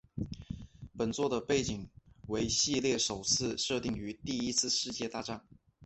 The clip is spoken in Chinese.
本作的背景为系列首次设定于第一次世界大战。